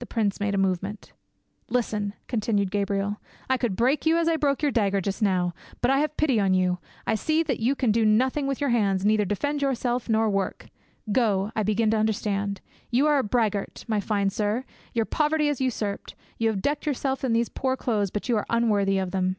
The prince made a movement. "Listen," continued Gabriel: "I could break you as I broke your dagger just now; but I have pity on you. I see that you can do nothing with your hands, neither defend yourself nor work. Go, I begin to understand; you are a braggart, my fine sir; your poverty is usurped; you have decked yourself in these poor clothes, but you are unworthy of them."